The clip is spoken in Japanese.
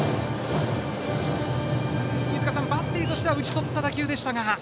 飯塚さん、バッテリーとしては打ち取った打球でしたが。